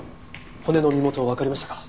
骨の身元わかりましたか？